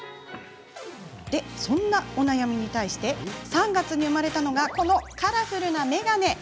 そんなお悩みに対して３月に生まれたのがこちらのカラフルな眼鏡。